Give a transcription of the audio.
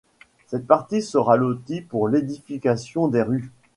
Cette partie sera lotie pour l’édification des rues.